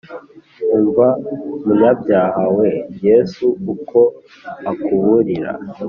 Umva munyabyaha we yesu uko akuburira